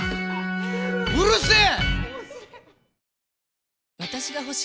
うるせえ！